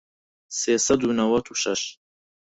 سێ سەد و نەوەت و شەش